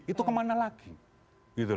itu kemana lagi